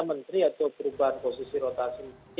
menteri atau perubahan posisi rotasi